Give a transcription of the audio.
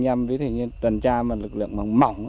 nhiều khi trong lực lượng anh em tuần tra lực lượng mỏng mỏng